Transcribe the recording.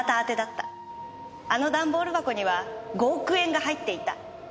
あの段ボール箱には５億円が入っていた。